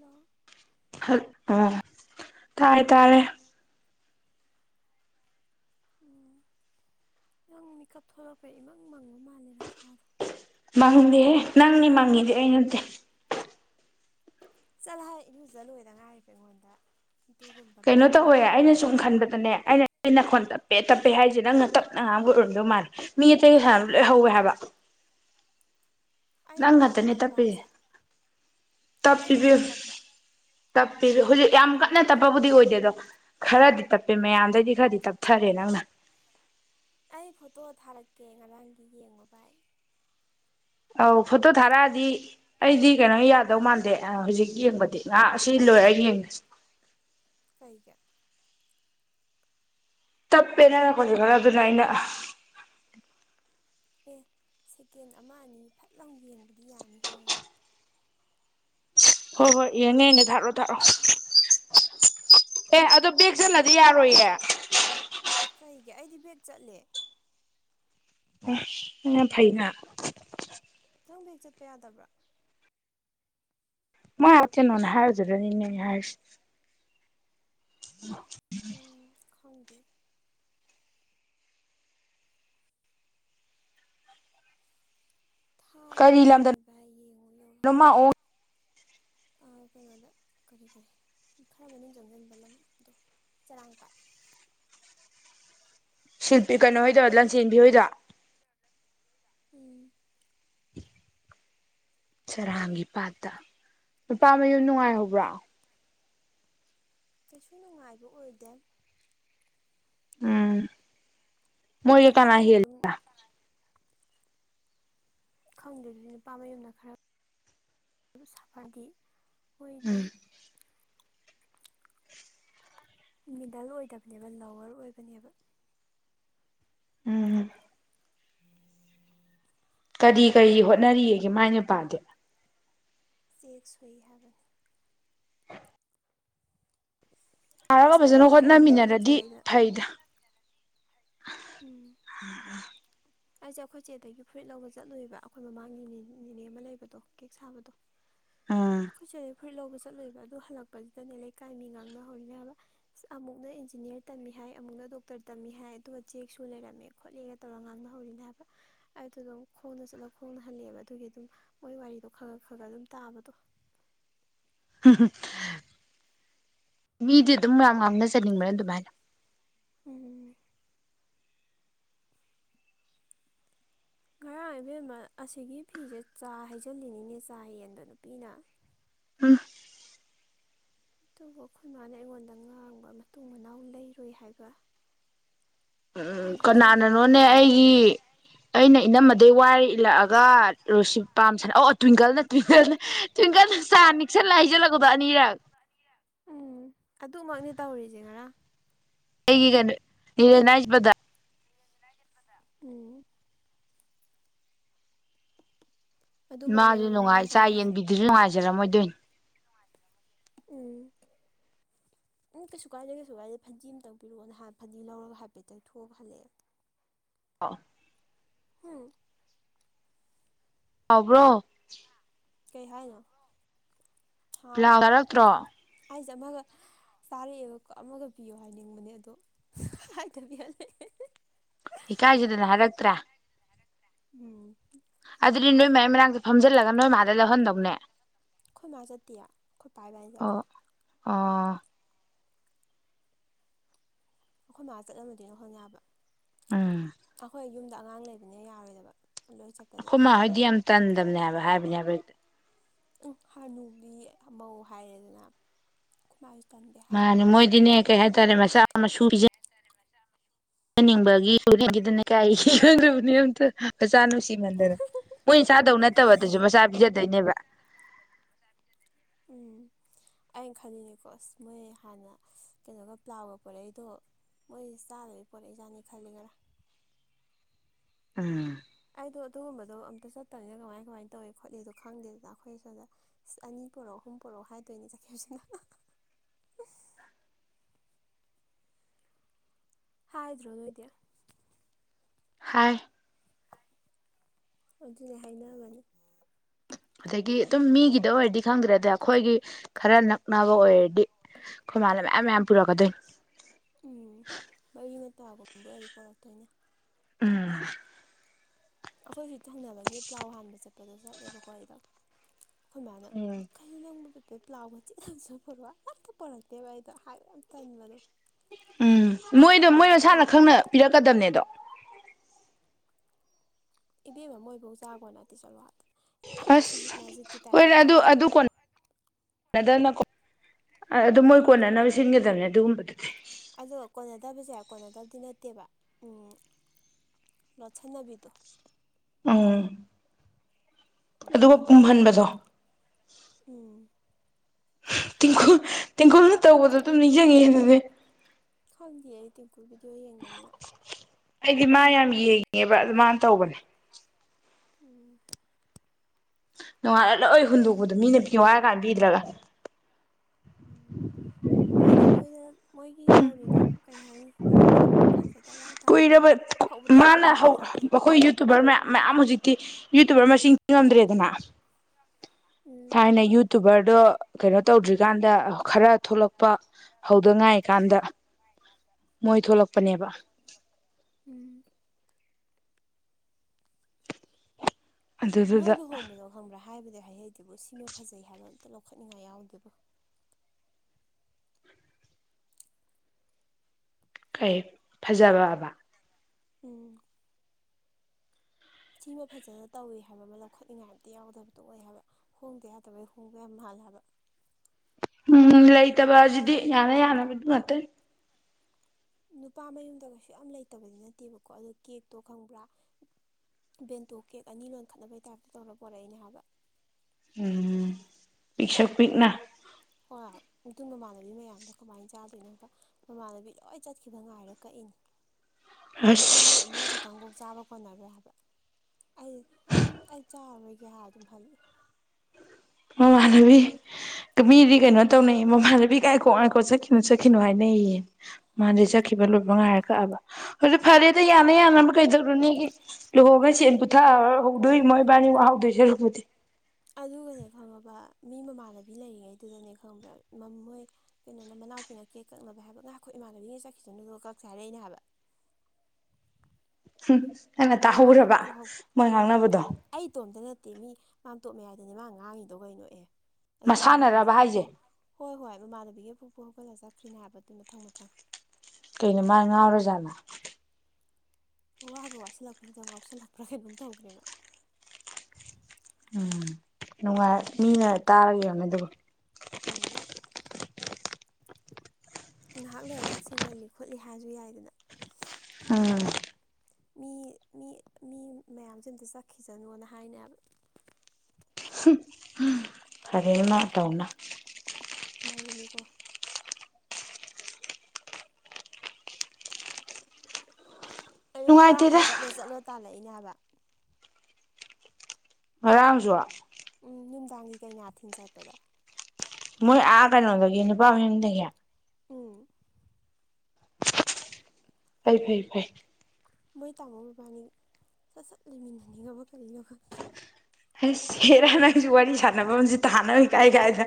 ꯅ ꯑ ꯇꯥꯥꯏ ꯇꯥꯔꯦ ꯎꯝ ꯅꯪ ꯃꯤꯀꯞ ꯊꯣꯛꯂꯛꯄ ꯏꯃꯪ ꯃꯪꯕ ꯃꯥꯜꯂꯦ ꯅ ꯁꯥꯗꯣ ꯃꯪꯗꯦꯍꯦ ꯅꯪꯅꯤ ꯃꯪꯉꯤꯗ ꯑꯩꯩꯅ ꯅꯠꯇꯦ ꯆꯠꯂ ꯍꯥꯏ ꯏꯂꯨꯖ ꯂꯣꯏꯗ ꯉꯥꯏꯔꯤꯕ ꯑꯩꯉꯣꯟꯗ ꯑꯗꯨꯒꯨꯝꯕ ꯀꯩꯅꯣ ꯃꯆꯣꯡ ꯄꯥꯛ ꯇꯧꯋꯦ ꯑꯩꯅ ꯅꯥꯏꯗꯕ ꯁꯨꯝ ꯈꯟꯕꯗꯅꯦ ꯑꯩꯅ ꯇꯞꯄꯦꯠ ꯇꯞꯄꯦ ꯍꯥꯏꯁꯦ ꯅꯪꯅ ꯇꯞꯅ ꯑꯉꯥꯡꯕ ꯎꯔꯝꯗꯧ ꯃꯥꯜꯂꯦ ꯃꯤ ꯑꯇꯩꯒ ꯁꯥꯟꯅ ꯂꯣꯏ ꯍꯧꯋꯦ ꯍꯥꯏꯕ ꯑꯩ ꯅꯪ ꯉꯥꯡꯉꯤꯁꯦ ꯉꯥꯛꯇꯅꯦ ꯇꯞꯄ꯭ꯔꯥ ꯇꯞꯄꯤꯁꯦ ꯍꯥꯏꯁꯦ ꯑꯩ ꯇꯞꯄꯤꯕꯤꯌꯨ ꯉꯥꯡꯉꯤꯁꯦ ꯇꯞꯄ꯭ꯔꯥ ꯇꯞꯄꯤꯕꯤꯌꯨ ꯍꯧꯖꯤꯛ ꯌꯥꯝ ꯀꯔꯤꯒꯤꯅꯣ ꯀꯟꯅ ꯑꯗꯨꯗꯤ ꯇꯞꯄꯕꯨꯗꯤ ꯑꯣꯏꯗꯦ ꯑꯗꯣ ꯈꯔꯗꯤ ꯇꯞꯄꯤ ꯦ ꯃꯌꯥꯝꯗꯩꯗꯤ ꯈꯔꯗꯤ ꯇꯞꯊꯔꯦ ꯅꯪꯅ ꯑꯩ ꯐꯣꯇꯣ ꯊꯥꯔꯛꯀꯦ ꯉꯔꯥꯡꯒꯤ ꯌꯦꯡꯕ ꯚꯥꯏ ꯑꯧ ꯐꯣꯇꯣ ꯊꯥꯔꯛꯑꯗꯤ ꯑꯩꯗꯤ ꯀꯩꯅꯣ ꯌꯥꯗꯧ ꯃꯥꯟꯗꯦ ꯍꯧꯖꯤꯛ ꯌꯦꯡꯕꯗꯤ ꯉꯍꯥꯛ ꯑꯁꯤ ꯂꯣꯏꯔꯒ ꯌꯦꯡꯉꯁꯤ ꯀꯩꯒ ꯇꯞꯄꯦꯅ ꯂꯧꯈꯣꯁꯨ ꯈꯔ ꯑꯗꯨꯅ ꯑꯩꯅ ꯑꯦ ꯁꯦꯀꯦꯟ ꯑꯃ ꯑꯅꯤ ꯐꯠꯂꯝ ꯌꯦꯡꯕꯗꯤ ꯌꯥꯅꯤꯍꯦ ꯍꯣꯏ ꯍꯣꯏ ꯏꯅꯦꯅꯦ ꯊꯥꯔꯛꯑꯣ ꯊꯥꯥꯛꯔꯛꯑꯣ ꯑꯦ ꯑꯗꯣ ꯕꯦꯛꯁꯤꯅꯗꯤ ꯌꯥꯔꯣꯏꯌꯦ ꯀꯩꯒꯤꯦ ꯑꯩꯗꯤ ꯕꯦꯦꯛ ꯆꯠꯂꯦ ꯑ ꯑ ꯐꯥꯏꯩꯅ ꯅꯈꯤꯇꯪꯕ ꯍꯦꯛ ꯆꯠꯄ ꯌꯥꯗꯕ꯭ꯔꯥ ꯃ ꯑꯥꯎꯊꯦ ꯅꯍꯅ ꯍꯥꯁꯔꯅꯤꯅ ꯍꯥꯏꯁ ꯎꯝ ꯑꯃꯗꯤ ꯀꯔꯤ ꯂꯝꯗꯅꯣ ꯊꯥꯈꯤꯕꯅꯤ ꯚꯥꯏ ꯌꯦꯡꯉꯣꯂ ꯃꯥ ꯑꯣ ꯀꯩꯅꯣꯗ ꯀꯔꯤ ꯀꯔꯤ ꯈꯔ ꯃꯅꯨꯡ ꯆꯪꯁꯤꯟꯕ ꯂꯝꯗꯣ ꯆꯔꯥꯡꯄꯥꯥꯠ ꯁꯤꯜꯄꯤ ꯀꯩꯅꯣꯍꯣꯏꯗ ꯂꯟꯆꯦꯟꯕꯤ ꯍꯣꯏꯗ ꯎꯝ ꯆꯔꯥꯡꯒꯤ ꯄꯥꯠꯇ ꯅꯨꯄꯥ ꯃꯌꯨꯝ ꯅꯨꯡꯉꯥꯏꯍꯧꯕ꯭ꯔꯥ ꯀꯩꯁꯨ ꯅꯨꯡꯉꯥꯏꯕ ꯑꯣꯏꯗꯦ ꯑ ꯅ ꯄꯥꯜ ꯑꯗꯨ ꯈꯪꯗꯦꯗꯨꯗꯤ ꯅꯨꯄꯥ ꯃꯌꯨꯝꯅ ꯈꯔ ꯁꯥꯐꯔꯗꯤ ꯑꯩꯈꯣꯏꯗꯤ ꯎꯝ ꯃꯤꯗꯜ ꯑꯣꯏꯗꯕꯅꯦꯕ ꯂꯋꯔ ꯑꯣꯏꯕꯅꯦꯕ ꯎꯝ ꯀꯔꯤ ꯀꯔꯤ ꯍꯣꯠꯅꯔꯤꯒꯒꯦ ꯃꯥꯏ ꯅꯨꯄꯥꯗꯤ ꯆꯦꯛ ꯁꯨꯏ ꯍꯥꯏꯕꯅꯤ ꯐꯔꯒ ꯑꯁ ꯑꯩꯁꯦ ꯐꯖꯅ ꯉꯁꯥꯏꯅꯦ ꯑꯩꯈꯣꯏ ꯆꯦ ꯍꯣꯠꯅꯃꯤꯟꯅꯔꯗꯤ ꯍꯣꯏꯗ ꯐꯩꯗ ꯎꯝ ꯑ ꯑꯩꯁꯦ ꯑꯩꯈꯣꯏꯆꯦꯗꯒꯤ ꯐꯨꯔꯤꯠ ꯂꯧꯕ ꯆꯠꯂꯨꯏꯕ ꯑꯩꯈꯣꯏ ꯃꯃꯥꯡꯒꯤꯅꯦ ꯑꯃ ꯂꯩꯕꯗꯣ ꯀꯦꯛ ꯁꯥꯕꯗꯣ ꯎꯝ ꯆꯦ ꯐꯨꯔꯠ ꯂꯧꯕ ꯆꯠꯂꯨꯦꯕ ꯑꯗꯨ ꯍꯜꯂꯛꯄꯁꯤꯗꯅꯦ ꯂꯩꯀꯥꯏ ꯃꯤ ꯉꯥꯡꯅꯍꯧꯔꯤꯅꯦ ꯍꯥꯏꯕ ꯑ ꯑꯃꯨꯛꯅ ꯏꯟꯖꯤꯅꯤꯌꯥꯔ ꯇꯝꯃꯤ ꯍꯥꯏ ꯑꯃꯨꯛꯅ ꯗꯣꯛꯇꯔ ꯇꯝꯃꯤ ꯍꯥꯏ ꯑꯗꯨꯒ ꯆꯦꯛꯁꯨ ꯂꯩꯔꯝꯃꯦ ꯈꯣꯠꯂꯦꯒ ꯇꯧꯔꯒ ꯉꯥꯡꯅꯍꯧꯔꯤꯅꯦ ꯍꯥꯏꯕ ꯑꯩꯗꯣ ꯑꯗꯨꯝ ꯈꯣꯡꯅ ꯆꯠꯂꯒ ꯈꯣꯡꯅ ꯍꯜꯂꯛꯑꯦꯕ ꯑꯗꯨꯒꯤ ꯑꯗꯨꯝ ꯃꯣꯏ ꯋꯥꯔꯤꯗꯣ ꯈ ꯈ ꯈ ꯈ ꯑꯗꯨꯝ ꯇꯥꯕꯗꯣ [unintelligible] ꯃꯤꯗꯤ ꯑꯗꯨꯝ ꯉꯥꯡꯅ ꯆꯅꯤꯡꯕꯅ ꯑꯗꯨꯃꯥꯏꯅ ꯎꯝ ꯉꯔꯥꯡ ꯏꯕꯦꯝꯃ ꯑꯁꯤꯒꯤ ꯐꯤꯁꯦ ꯆꯥ ꯍꯩꯖꯤꯜꯂꯤꯅꯤꯅꯦ ꯆꯥ ꯌꯦꯟꯕ ꯅꯨꯄꯤꯅ ꯎꯝ ꯑꯗꯨꯕꯨ ꯑꯩꯈꯣꯏ ꯃꯥꯅ ꯑꯩꯉꯣꯟꯗ ꯉꯥꯡꯕ ꯃꯇꯨꯡ ꯃꯅꯥꯎ ꯂꯩꯔꯣꯏ ꯍꯥꯏꯕ ꯎꯝ ꯑꯩꯅ ꯍꯩꯖꯜꯂꯨꯕꯁꯦ ꯀꯅꯥꯅꯅꯣꯅꯦ ꯅꯨꯡꯉꯥꯏ ꯄꯥꯏꯔꯦ ꯑꯩꯒꯤ ꯑꯩꯅ ꯏꯅꯝꯃ ꯑꯗꯩ ꯋꯥꯔꯤ ꯏꯜꯂꯛꯑꯒ ꯔꯨꯁꯤ ꯄꯥꯝꯁꯅ ꯑꯣ ꯇ꯭ꯋꯤꯡꯀꯜꯅ ꯇ꯭ꯋꯤꯡꯀꯜꯅ ꯇ꯭ꯋꯤꯡꯀꯜꯅ ꯆꯥꯅꯤ ꯛ ꯁꯠꯂ ꯍꯩꯖꯤꯜꯂꯛꯄꯗꯣ ꯑꯅꯤꯔꯛ ꯑꯗꯨꯃꯛꯅꯤ ꯇꯧꯔꯤꯁꯦ ꯉꯔ ꯑꯩꯒꯤ ꯀꯩꯅꯣ ꯍꯒ ꯅꯖꯕꯗ ꯎ ꯑꯗꯨꯃꯛꯅꯦ ꯃꯥꯁꯨ ꯑꯩꯉꯣꯟꯗ ꯅꯨꯡꯉꯥꯏ ꯉꯔꯥꯡ ꯆꯥꯛ ꯇꯧꯔꯤꯁꯦ ꯌꯦꯟꯕꯤꯗꯨꯁꯨ ꯅꯨꯡꯉꯥꯏ ꯖꯔꯝꯃ ꯑꯣꯏꯗꯣꯏ ꯎꯝ ꯎꯝ ꯀꯩꯁꯨ ꯀꯥꯏꯗꯦ ꯀꯩꯁꯨ ꯀꯥꯏꯗꯦ ꯐꯗꯤ ꯑꯃ ꯇꯧꯕꯤꯔꯛꯑꯣ ꯅꯍꯥꯟ ꯐꯗꯤ ꯂꯧꯔꯒ ꯍꯥꯏꯐꯦꯠꯇꯪ ꯊꯣꯛꯑꯒ ꯍꯜꯂꯛꯑꯦ ꯑ ꯍꯝ ꯇꯕ꯭ꯔꯣ ꯀꯩ ꯍꯥꯏꯥꯏꯅ ꯂꯥꯎꯔꯛꯇ꯭ꯔꯣ ꯑꯃꯒ ꯆꯥꯔꯛꯑꯦꯕꯀꯣ ꯑꯃꯒ ꯄꯤꯌꯣ ꯍꯥꯏꯅꯤꯡꯕꯅꯦ ꯑꯗꯣ ꯍꯥꯏꯊꯕꯤꯍꯜꯂ ꯏ ꯀꯥꯏꯁꯤꯗꯅ ꯍꯔ ꯇ꯭ꯔꯥ ꯎꯝ ꯑꯗꯨꯗꯤ ꯅꯣꯏ ꯃꯩ ꯃꯅꯥꯥꯡꯁꯦ ꯐꯝꯖꯤꯜꯂꯒ ꯅꯣꯏ ꯃꯥꯗꯩ ꯂꯧꯍꯟꯗꯧꯅꯦ ꯑꯩꯈꯣꯏ ꯃꯥ ꯆꯠꯇꯦ ꯑꯩꯈꯣꯏ ꯄꯥꯏꯕꯥꯏꯅ ꯆꯠꯂꯦ ꯑꯥ ꯑꯩꯈꯣꯏ ꯃꯥ ꯆꯠꯂꯝꯃꯗꯣꯏꯅ ꯑꯩ ꯍꯣ ꯌꯥꯕ ꯎꯝ ꯑꯩꯈꯣꯏ ꯑ ꯌꯨꯝ ꯑꯗꯣ ꯑꯉꯥꯡ ꯂꯩꯕꯅꯦ ꯌꯥꯔꯣꯏꯗꯕ ꯂꯣꯏ ꯆꯠꯄꯗꯤ ꯁꯨꯃꯥꯍꯗꯤ ꯇꯟꯗꯕꯅꯦ ꯍꯥꯏꯕ ꯍꯥꯏꯕꯅꯦ ꯍꯥꯏꯕ ꯎ ꯍꯥꯥꯟꯅꯨꯕꯤ ꯃꯧ ꯍꯥꯏꯔꯦꯗꯅ ꯈꯨꯃꯥꯏ ꯃꯥꯅꯦ ꯃꯣꯏꯗꯤꯅꯦ ꯀꯩ ꯍꯥꯏꯇꯥꯔꯦ ꯃꯆꯥ ꯃꯁꯨꯖꯅꯤꯡꯕꯒꯤꯗꯅ ꯀꯥꯏꯗꯕꯅꯤ ꯑꯇ ꯆꯥꯅꯅꯨꯡ ꯁꯤꯃꯟꯗꯅ ꯃꯣꯏ ꯆꯥꯗꯧ ꯅꯠꯇꯕ ꯑꯗꯨꯁꯨ ꯃꯆꯥ ꯄꯖ ꯇꯅꯦꯕ ꯎꯝ ꯑꯩꯅ ꯈꯜꯂꯤꯅꯦꯀꯣ ꯑꯁ ꯃꯣꯏ ꯍꯥꯟꯅ ꯀꯩꯅꯣꯒ ꯄ꯭ꯂꯥꯎꯒ ꯄꯣꯠꯛꯏꯗꯣ ꯃꯣꯏ ꯆꯥꯗꯒꯤ ꯄꯣꯠꯛꯏꯖꯥꯠꯅꯤ ꯈꯜꯂꯤ ꯈꯔꯥ ꯎꯝ ꯑꯩꯗꯣ ꯑꯗꯨꯒꯨꯝꯕꯗꯣ ꯑꯝꯇ ꯆꯠꯇꯅꯤꯅ ꯀꯃꯥꯏ ꯀꯃꯥꯏꯅ ꯇꯧꯏꯤ ꯈꯣꯠꯂꯤꯗꯣ ꯈꯪꯗꯦꯗꯅ ꯑꯩꯈꯣꯏꯁꯨ ꯑꯗ ꯑꯅꯤ ꯄꯣꯔꯛ ꯑꯍꯨꯝ ꯄꯣꯔꯛ ꯍꯥꯏꯗꯣꯏꯅꯦ ꯆꯠꯈꯤꯕꯁꯤꯅ ꯍꯥꯏꯗ꯭ꯔꯣ ꯅꯣꯏꯗꯤ ꯍꯥꯏ ꯑꯗꯨꯅꯤ ꯍꯥꯏꯅꯕꯅꯤ ꯑꯗꯒꯤ ꯑꯗꯨꯝ ꯃꯤꯒꯤꯗ ꯑꯣꯏꯔꯗꯤ ꯈꯪꯗ꯭ꯔꯦ ꯑꯗ ꯑꯩꯈꯣꯏꯒꯤ ꯈꯔ ꯅꯛꯅꯕ ꯑꯣꯏꯔꯗꯤ ꯑꯩꯈꯣꯏ ꯃꯥꯅ ꯃꯌꯥꯝ ꯃꯌꯥꯝ ꯄꯨꯔꯛꯀꯗꯣꯏ ꯎꯝ ꯃꯔꯤ ꯃꯇꯥꯒꯨꯝꯕ ꯑꯣꯏꯗꯤ ꯄꯂꯛꯇꯣꯏꯅꯦ ꯎꯝ ꯑꯩꯈꯣꯏꯁꯨ ꯊꯪꯅꯕꯒꯤ ꯄ꯭ꯂꯥꯎ ꯍꯥꯟꯕ ꯆꯠꯄꯗꯣ ꯆꯠꯂꯦꯕꯀꯣ ꯑꯩꯗꯣ ꯑꯩꯈꯣꯏ ꯃꯥꯅ ꯎꯝ ꯀꯥꯏꯅ ꯅꯪꯕ ꯂꯥꯎꯕ ꯄꯨꯔꯛꯑꯣ ꯉꯝꯇ ꯄꯨꯣꯔꯛꯇꯦꯕ ꯑꯩꯗꯣ ꯍꯥꯏꯌ ꯌꯥꯝ ꯇꯟꯕꯗꯣ ꯎꯝ ꯃꯣꯏꯗꯣ ꯃꯣꯏ ꯍꯥꯏꯗꯤ ꯃꯁꯥꯅ ꯊꯪ ꯈꯪꯅ ꯄꯤꯔꯛꯀꯗꯕꯅꯦꯗꯣ ꯏꯕꯦꯝꯕ ꯃꯣꯏꯐꯧ ꯆꯥꯀꯣꯟ ꯅꯠꯇꯦ ꯆꯠꯂꯨ ꯌꯥꯝ ꯊꯤꯖꯤꯠ ꯑꯁ ꯅꯥꯖꯤꯠꯀꯤ ꯇꯥꯏꯞꯇ ꯍꯣꯏꯅꯦ ꯑꯗꯨ ꯇꯧꯋꯦ ꯑꯗꯨ ꯍꯥꯏꯕ ꯀꯣꯟꯅꯗꯅꯀꯣ ꯑꯗꯨꯝ ꯃꯣꯏ ꯀꯣꯟꯅꯅꯕ ꯁꯤꯟꯒꯗꯕꯅꯦ ꯑꯗꯨꯒꯨꯝꯕꯗꯨꯗꯤ ꯑꯗꯣ ꯀꯣꯟꯅꯗꯕꯁꯦ ꯀꯣꯟꯅꯗꯕꯗꯤ ꯅꯠꯇꯦꯕ ꯂꯣꯠꯁꯟꯅꯕꯤꯗꯣ ꯎꯝ ꯑꯗꯨꯒ ꯑꯗꯨꯅꯦꯕ ꯄꯨꯝꯍꯟꯕꯗꯣ ꯎꯝ ꯇ ꯇꯀꯨ ꯅ ꯇꯧꯗ ꯇꯖꯒꯦꯗꯦ ꯈꯪꯗꯦ ꯑꯩ ꯇꯤꯡꯀꯨ ꯚꯤꯗꯤꯑꯣ ꯌꯦꯡꯗꯕꯅꯤꯅ ꯑꯩꯗꯤ ꯃꯥ ꯌꯥꯝ ꯌꯦꯡꯉꯦꯕ ꯑꯗꯨ ꯃꯥꯅ ꯇꯧꯕꯅꯦ ꯎꯝ ꯉꯥꯏꯦ ꯂꯣꯏ ꯈꯪꯗꯦ ꯍꯟꯣꯛꯄꯗꯣ ꯃꯤꯅ ꯄꯤꯉ ꯍꯥꯏꯦ ꯀꯥꯟꯕꯤꯗ꯭ꯔꯒ ꯎꯝ ꯍꯥꯏꯗꯤ ꯃꯣꯏꯗ ꯃꯣꯏꯒꯤ ꯇꯧꯔꯤꯗꯣ ꯀꯔꯤ ꯍꯥꯏꯅꯤ ꯌꯥꯝꯅ ꯐꯖꯅ ꯀꯨꯏꯔꯕ ꯃꯥꯅ ꯐꯖꯗꯦ ꯑꯩꯈꯣꯏ ꯌꯨꯇꯨꯕꯔ ꯃꯌꯥꯝ ꯃꯌꯥꯝ ꯍꯧꯖꯤꯛ ꯌꯨꯇꯨꯕꯔ ꯃꯁꯤꯡ ꯊꯤꯉꯝꯗ꯭ꯔꯦꯗꯅ ꯎꯝ ꯊꯥꯏꯅ ꯌꯨꯇꯨꯕꯔꯗꯣ ꯀꯩꯅꯣ ꯇꯧꯗ꯭ꯔꯤꯀꯥꯟꯗ ꯈꯔ ꯊꯣꯛꯂꯛꯄ ꯍꯧꯗ ꯉꯥꯏ ꯀꯥꯟꯗ ꯃꯣꯏ ꯊꯣꯛꯂꯛꯄꯅꯦꯕ ꯎꯝ ꯑꯗꯨꯗꯨꯗ ꯃꯣꯏꯗ ꯍꯣꯡꯕꯗꯣ ꯈꯪꯕ꯭ꯔꯥ ꯍꯥꯏꯕꯗꯤ ꯍꯩꯍꯩꯗꯨꯕꯨ ꯁꯤꯃ ꯐꯖꯩ ꯍꯥꯏꯕ ꯑꯝꯇ ꯂꯧꯈꯠꯅꯤꯡꯉꯥꯏ ꯌꯥꯎꯗꯦꯕ ꯀꯩ ꯐꯖꯕꯥꯕ ꯎꯝ ꯁꯤꯃ ꯐꯖꯅ ꯇꯧꯏꯤ ꯍꯥꯏꯕ ꯑꯃ ꯂꯧꯈꯠꯅꯤꯉꯥꯏ ꯑꯝꯇ ꯌꯥꯎꯗꯕꯗꯣ ꯑꯣꯏ ꯍꯥꯏꯕ ꯍꯣꯡꯗ ꯌꯥꯗꯕꯩ ꯍꯣꯡꯕ ꯌꯥꯝ ꯃꯥꯜꯂꯦ ꯍꯥꯏꯕ ꯎꯝ ꯂꯩꯇꯕꯁꯤꯗꯤ ꯌꯥꯅ ꯌꯥꯅꯕ ꯑꯥꯗꯨ ꯉꯥꯠꯇꯅꯤ ꯅꯨꯄꯥ ꯃꯌꯨꯝꯗ ꯀꯩꯁꯨ ꯌꯥꯝ ꯂꯩꯇꯕꯗꯤ ꯅꯠꯇꯦꯕꯀꯣ ꯑꯗꯨ ꯀꯦꯛꯇꯣ ꯈꯪꯕ꯭ꯔꯥ ꯕꯦꯟꯇꯣ ꯀꯦꯛ ꯑꯅꯤ ꯂꯣꯟ ꯈꯠꯅꯕꯩ ꯇꯥꯏꯞꯇ ꯇꯧꯔ ꯄꯣꯔꯛꯏꯅꯦ ꯍꯥꯏꯕ ꯎꯝ ꯄꯤꯛꯁꯛ ꯄꯤꯛꯅ ꯍꯣꯏ ꯑꯗꯨ ꯃꯃꯥꯟꯅꯕꯤ ꯃꯌꯥꯝꯗꯣ ꯀꯃꯥꯏꯅ ꯆꯥꯗꯣꯏꯅꯣꯕ ꯃꯃꯥꯟꯅꯕꯤ ꯂꯣꯏ ꯆꯠꯈꯤꯕ ꯉꯥꯏꯔ ꯀꯛꯏꯅꯤ ꯑꯗꯨ ꯑꯁ ꯃꯣꯏ ꯏꯃꯨꯡ ꯈꯇꯪꯐꯥꯎ ꯆꯥꯕ ꯀꯣꯟꯅꯔꯣꯏ ꯍꯥꯏꯕ ꯑꯩ ꯑꯗꯨꯝ ꯑꯩ ꯆꯥꯔꯔꯣꯏꯒꯦ ꯍꯥꯏꯔ ꯑꯗꯨꯝ ꯍꯂꯑꯦ ꯃꯃꯥꯟꯅꯕꯤ ꯀꯥ ꯃꯤꯗꯤ ꯀꯩꯅꯣ ꯇꯧꯅꯩ ꯃꯃꯥꯟꯅꯕꯤ ꯉꯥꯏꯈꯣ ꯉꯥꯏꯈꯣ ꯆꯠꯈꯤꯅꯨ ꯆꯠꯈꯤꯅꯨ ꯍꯥꯏꯅꯩꯌꯦ ꯃꯥꯗꯤ ꯎꯝ ꯆꯠꯈꯤꯕ ꯂꯣꯏꯕ ꯉꯥꯏꯔ ꯀꯛꯑꯕ ꯑꯗꯨ ꯐꯔꯦꯗ ꯌꯥꯅ ꯌꯥꯅꯕ ꯀꯩꯗꯧꯔꯨꯅꯦꯒꯦ ꯂꯨꯍꯣꯡꯉꯥ ꯁꯦꯟ ꯄꯨꯊ ꯍꯧꯔꯥ ꯍꯧꯗꯣꯏ ꯃꯣꯏꯕꯥꯅꯤ ꯋꯥꯍꯧꯗꯣꯏ ꯁꯔꯨꯛꯄꯨꯗꯤ ꯑꯗꯨꯒꯅꯦ ꯈꯪꯉꯕ ꯃꯤ ꯃꯃꯥꯟꯅꯕꯤ ꯂꯩꯔꯤꯉꯩꯗꯨꯗꯅꯦ ꯈꯪꯕ꯭ꯔꯥ ꯃꯝ ꯃꯣꯏ ꯀꯩꯅꯣꯅ ꯃꯅꯥꯎꯄꯤꯅ ꯀꯦꯛ ꯀꯛꯅꯕꯦ ꯍꯥꯏꯕ ꯉꯥꯏꯈꯣ ꯏꯃꯥꯟꯅꯕꯤꯈꯩ ꯆꯠꯈꯤꯁꯅꯨ ꯑꯗꯨ ꯀꯛꯁꯦ ꯍꯥꯏꯔꯏꯅꯦ ꯍꯥꯏꯕ ꯍꯝ ꯑꯪꯅ ꯑꯗꯨ ꯃꯤ ꯇꯥꯍꯧꯔꯕ ꯐꯨꯛ ꯐꯨꯛ ꯍꯧ ꯃꯣꯏ ꯉꯥꯡꯅꯕꯗꯣ ꯑꯩ ꯏꯇꯣꯝꯇ ꯅꯠꯇꯦ ꯃꯤ ꯃꯥꯥꯟꯇꯣꯞ ꯃꯌꯥꯏꯗꯅꯦ ꯃꯥ ꯉꯥꯡꯉꯤꯗꯣ ꯀꯩꯅꯣ ꯑꯦ ꯑꯗꯨ ꯃꯃꯥꯟꯅꯕꯤꯒꯤ ꯃꯁꯥꯟꯅꯔꯕ ꯄꯨꯄꯨ ꯍꯥꯏꯁꯦ ꯍꯣꯏ ꯍꯣꯏ ꯏꯃꯥꯟꯅꯕꯤꯒ ꯄꯨꯄꯨ ꯍꯧꯒꯠꯂ ꯆꯠ ꯀꯔꯤꯅ ꯍꯥꯏꯕ ꯑꯗꯨꯝ ꯃꯊꯪ ꯃꯊꯪ ꯀꯩꯅꯣ ꯃꯥꯥ ꯉꯥꯎꯔꯖꯥꯠꯂ ꯋꯥꯒ ꯋꯥꯁꯤꯜꯂꯛꯄꯁꯤꯗ ꯉꯥꯎꯁꯤꯜꯂꯛꯄ꯭ꯔꯥ ꯀꯩꯅꯣꯝ ꯇꯧꯈ꯭ꯔꯦꯕ ꯎꯝ ꯅꯨꯡꯉꯥꯏ ꯃꯤꯅ ꯇꯥꯔꯒ ꯌꯥꯅꯗꯕ ꯎꯝ ꯉꯥꯏꯍꯥꯛ ꯂꯩꯔꯛ ꯀꯛꯁꯦ ꯉꯜꯂꯤ ꯈꯣꯠꯂꯤ ꯍꯥꯏꯁꯨ ꯌꯥꯏꯗꯅ ꯎꯝ ꯃꯤ ꯃꯤ ꯃꯤ ꯃꯌꯥꯝꯁꯦ ꯑꯝꯇ ꯆꯠꯈꯤꯁꯅꯨꯅ ꯍꯥꯏꯅꯦꯕ ꯍꯩꯍꯩ ꯃꯥ ꯑꯊꫭꯝꯅꯥ [unintelligible] ꯃꯩꯅꯤꯀꯣ ꯑꯗꯩꯩ ꯉꯔꯥꯡꯖꯨ ꯅꯨꯡꯉꯥꯏꯇꯦꯗ ꯆꯠꯂꯣ ꯆꯠꯂꯣ ꯇꯥꯜꯂꯛꯏꯅꯦ ꯍꯥꯏꯕ ꯕꯥ ꯉꯔꯥꯡꯁꯨ ꯎꯝ ꯅꯨꯡꯗꯥꯡꯒꯤ ꯀꯩꯅꯥ ꯊꯤꯟ ꯆꯠꯄꯗꯣ ꯅꯣꯏ ꯑꯥ ꯀꯩꯅꯣꯗꯒꯦ ꯅꯨꯄꯥꯥꯃꯌꯨꯗꯒꯤ ꯎꯝ [inaudible] ꯐ ꯐꯩ ꯐꯩ ꯃꯣꯏ ꯇꯥꯃꯣ ꯃꯕꯥꯅꯤ ꯁꯠ ꯁꯠ ꯂꯩꯃꯤꯟꯅꯅꯤꯡꯉꯕ ꯀꯔꯤꯅꯣ ꯈꯪꯗꯦ ꯍꯦꯁ ꯍꯦꯔꯥ ꯅꯪꯁꯨ ꯋꯥꯔꯤ ꯁꯥꯟꯅꯕꯝꯁꯤꯗ ꯊꯙꯅ ꯍ ꯀꯥꯏ ꯀꯥꯏꯁ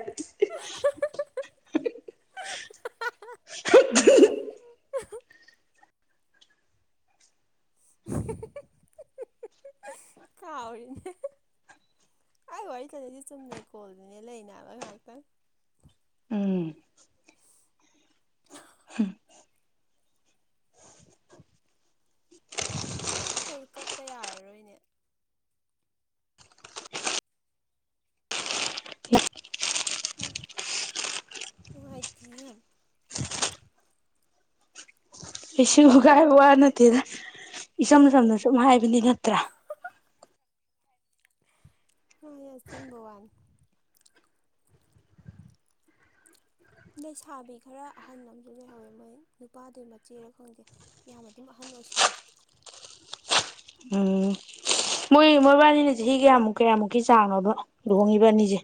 ꯀꯥꯎꯔꯤꯅꯦ ꯑꯩ ꯋꯥꯔꯤ ꯁꯅꯁꯤ ꯆꯨꯝꯅꯩ ꯀꯣꯜꯗꯨꯅꯦ ꯂꯩꯅꯦꯕ ꯉꯥꯏꯍꯥꯛꯇꯪ ꯎꯝ ꯑꯣ ꯍꯣꯏ ꯀꯛꯄ ꯌꯥꯔꯔꯣꯏꯅꯦ ꯋꯥꯋꯥꯥꯏꯇ ꯌꯥꯝ ꯑꯩꯁꯤꯡꯕꯨ ꯀꯥꯏꯕ ꯋꯥ ꯅꯠꯇꯦꯅ ꯏꯆꯝ ꯁꯝꯅ ꯁꯨꯝ ꯍꯥꯏꯕꯅꯤ ꯅꯠꯇ꯭ꯔꯥ ꯑ ꯌꯥꯁꯦꯝꯕ ꯋꯥꯟ ꯂꯩꯁꯥꯕꯤ ꯈꯔ ꯑꯍꯟ ꯑꯃꯁꯨ ꯂꯩꯍꯧꯋꯦ ꯃꯣꯏ ꯅꯨꯄꯥꯗꯨ ꯃꯆꯦꯔ ꯈꯪꯗꯦ ꯌꯥꯝ ꯑꯗꯨꯝ ꯑꯍꯟ ꯑꯣꯏꯁꯜꯂꯦ ꯎꯝ [unintelligible] ꯃꯣꯏ ꯃꯣꯏꯕꯥꯅꯤꯅ ꯆꯍꯤ ꯀꯌꯥꯃꯨꯛ ꯀꯌꯥꯃꯨꯛꯀꯤ ꯆꯥꯡꯅꯕ ꯂꯨꯍꯣꯡꯉꯤꯕ ꯑꯅꯤꯁꯦ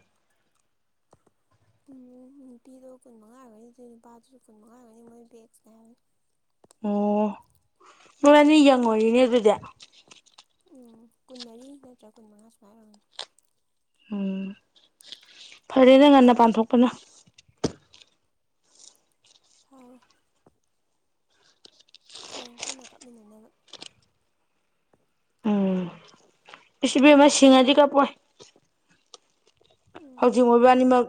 ꯎꯝ ꯅꯨꯄꯤꯗꯣ ꯀꯨꯟ ꯃꯉꯥ ꯑꯣꯏꯔꯒꯅꯤ ꯑꯗꯨꯩ ꯅꯨꯄꯥꯗꯨꯁꯨ ꯀꯨꯟ ꯃꯉꯥꯔꯒꯅꯤ ꯃꯣꯏ ꯕꯦꯠꯁꯅꯦ ꯍꯥꯏꯕꯅꯤ ꯃꯣꯔꯅꯤ ꯌꯦꯡꯉꯣꯔꯤꯅꯦ ꯑꯗꯨꯗꯤ ꯎꯝ ꯀꯨꯟꯃꯔꯤ ꯅꯠꯇ꯭ꯔ ꯀꯨꯟꯃꯉꯥ ꯁꯨꯃꯥꯏ ꯑꯣꯏꯅ ꯎꯝ ꯐꯔꯅ ꯉꯅ ꯄ ꯄꯊꯣꯛꯄꯅ ꯐꯔꯦ ꯍꯌꯦꯡ ꯄꯨꯟꯅ ꯀꯥꯞꯃꯤꯟꯅꯅꯕ ꯎ ꯁꯤꯕ ꯃꯁꯤꯡ ꯑꯗꯨꯗꯤ ꯀꯄꯣꯏ ꯎꯝ ꯍꯧꯖꯤꯛ ꯑꯣꯏꯕ ꯑꯅꯤꯃꯛ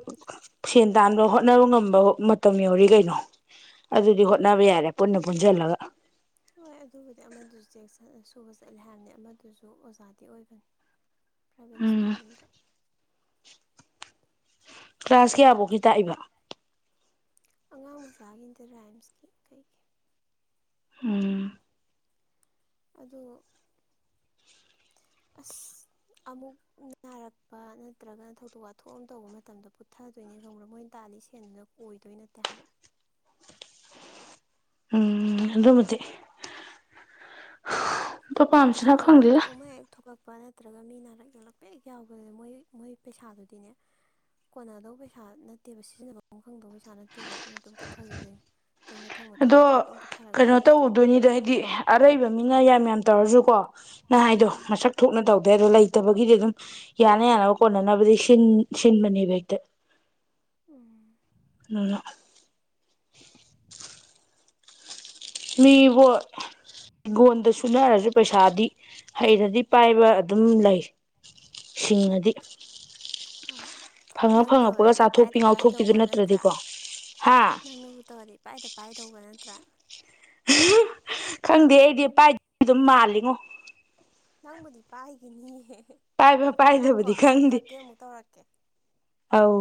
ꯐꯦꯟ ꯗꯥꯥꯟꯕ ꯍꯣꯠꯅꯕ ꯉꯝꯕ ꯃꯇꯝ ꯌꯧꯔꯤ ꯀꯩꯅꯣ ꯑꯗꯨꯗꯤ ꯍꯣꯠꯅꯕ ꯌꯥꯔꯦ ꯄꯨꯟꯅ ꯄꯨꯟꯁꯤꯜꯂꯒ ꯍꯣꯏ ꯑꯗꯨꯕꯨꯗꯤ ꯑꯃꯗꯨꯁꯨ ꯆꯦꯛ ꯁꯨꯕ ꯆꯠꯂꯦ ꯍꯥꯏꯕꯅꯤ ꯑꯃꯗꯨꯁꯨ ꯑꯣꯖꯥꯗꯤ ꯑꯣꯏꯕꯅꯤ ꯄ꯭ꯔꯥꯏꯚꯦꯠ ꯎꯝ ꯁ꯭ꯀꯨꯜ ꯑꯝꯗ ꯀ꯭ꯂꯥꯁ ꯀꯌꯥꯐꯧꯀꯤ ꯇꯥꯛꯏꯕ ꯑꯉꯥꯡ ꯃꯆꯥꯒꯤ ꯏꯟꯇꯔꯥꯏꯝꯁꯀꯤ ꯀꯩꯒꯤ ꯎꯝ ꯑꯗꯣ ꯑꯁ ꯑꯃꯨꯛ ꯅꯥꯔꯛꯄ ꯅꯠꯇ꯭ꯔꯒꯅ ꯊꯧꯗꯣꯛ ꯋꯥꯊꯣꯛ ꯑꯃ ꯇꯧꯕ ꯃꯇꯝꯗꯣ ꯄꯨꯊꯗꯣꯏꯅꯦ ꯈꯪ꯭ꯔꯥ ꯃꯣꯏꯅ ꯇꯥꯜꯂꯤ ꯁꯦꯟꯗꯨꯗ ꯀꯣꯏꯗꯣꯏ ꯅꯠꯇꯦ ꯍꯥꯏꯕ ꯑꯗꯨꯃꯗꯤꯤ ꯄꯣ ꯄꯝꯁꯤ ꯊ ꯈꯪꯒ ꯅꯨꯨꯄꯥ ꯅꯠꯇ꯭ꯔꯒ ꯃꯤ ꯅꯥꯔꯛ ꯌꯦꯂꯛꯄꯦꯛ ꯌꯥꯎꯕꯗꯨ ꯃꯣꯏ ꯃꯣꯏ ꯄꯩꯁꯥꯗꯨꯗꯤꯅꯦ ꯀꯣꯟꯅꯗꯧꯕ ꯄꯩꯁꯥ ꯅꯠꯇꯦꯕ ꯁꯤꯖꯤꯟꯅꯐꯝꯐꯝ ꯈꯪꯗꯧꯕ ꯄꯩꯁꯥ ꯅꯠꯇꯦꯕ ꯑꯗꯨꯅ ꯑꯗꯨꯝ ꯄꯨꯊꯈꯤꯗꯣꯏꯅꯦ ꯑꯗꯣ ꯀꯩꯅꯣ ꯇꯧꯗꯣꯏꯅꯤꯗ ꯍꯥꯏꯗꯤ ꯑꯔꯩꯕ ꯃꯤꯅ ꯌꯥꯝ ꯌꯥꯝ ꯇꯧꯔꯁꯨꯀꯣ ꯅꯍ ꯍꯥꯏꯗꯣ ꯎꯝ ꯃꯁꯛ ꯊꯣꯛꯅ ꯇꯧꯗ ꯑꯗꯣ ꯂꯩꯇꯕꯒꯤꯗꯤ ꯑꯗꯨꯝ ꯌꯥꯅ ꯌꯥꯅꯕ ꯀꯣꯟꯅꯅꯕꯗꯤ ꯁꯤꯟꯕꯅꯦꯕ ꯍꯦꯛꯇ ꯎꯝ ꯅꯅ ꯃꯤꯕꯨꯣ ꯍꯤꯡꯒꯣꯟꯗ ꯁꯨꯅꯔꯁꯨ ꯄꯩꯁꯥꯗꯤ ꯍꯩꯅꯗꯤ ꯄꯥꯏꯕ ꯑꯗꯨꯝ ꯂꯩ ꯁꯤꯡꯉꯗꯤ ꯍꯣꯏꯣꯏ ꯐꯪꯉ ꯅꯪ ꯐꯪꯉꯛꯄꯒ ꯇꯧꯔꯗꯤ ꯆꯥꯊꯣꯛꯄꯤ ꯏꯄꯥꯥꯏꯗ ꯉꯥꯎꯊꯣꯛꯄꯤꯗꯨ ꯄꯥꯏꯗꯧꯕ ꯅꯠꯇ꯭ꯔꯥ ꯅꯠꯇ꯭ꯔꯗꯤꯀꯣ ꯍꯥ ꯅꯪꯅꯕꯨ ꯇꯧꯔꯗꯤ ꯏꯄꯥꯥꯏꯗ ꯄꯥꯏꯗꯧꯕ ꯅꯠꯇ꯭ꯔ ꯄꯨ꯭ꯔꯥ ꯈꯪꯗꯦ ꯑꯩꯗꯤ ꯄꯥꯏ ꯑꯗꯨꯝ ꯃꯥꯜꯂꯤꯉꯣ ꯅꯪꯕꯨꯗꯤ ꯄꯥꯏꯒꯅꯤꯍꯦ ꯄꯥꯏꯕ ꯄꯥꯏꯗꯕꯗꯤ ꯈꯪꯗꯦ ꯑꯃꯨꯛ ꯇꯧꯔꯛꯀꯦ ꯑꯥꯎ